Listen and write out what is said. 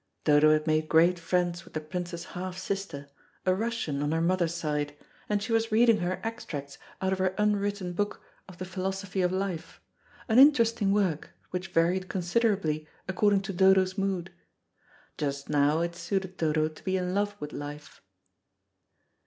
Dodo had made great friends with the Prince's half sister, a Russian on her mother's side, and she was reading her extracts out of her unwritten book of the Philosophy of Life, an interesting work, which varied considerably according to Dodo's mood. Just now it suited Dodo to be in love with life.